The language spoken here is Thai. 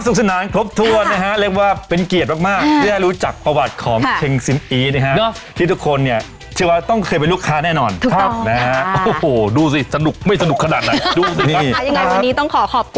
ศึกษณะครบถวดนะฮะเรียกว่าเป็นเกียรติมากด้วยหารู้จักประวัติของ